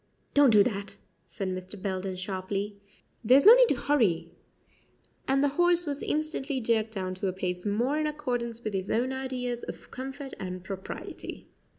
"Don't do that," said Mr. Belden sharply; "there's no need to hurry and the horse was instantly jerked down to a pace more in accordance with his own ideas of comfort and propriety.